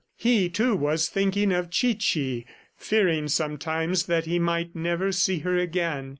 He, too, was thinking of Chichi, fearing sometimes, that he might never see her again.